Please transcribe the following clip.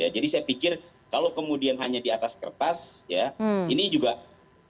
jadi saya pikir kalau kemudian hanya di atas kertas ya ini juga tidak akan membantu